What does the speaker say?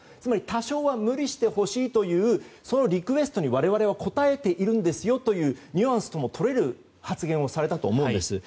多少は無理してほしいというそのリクエストに我々は答えているんですよというニュアンスともとれる発言をされたと思います。